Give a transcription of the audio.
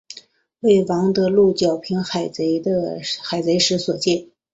为王得禄剿平海贼时所建。